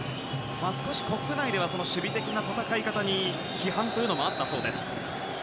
少し、国内では守備的な戦い方に批判というのもあったそうです。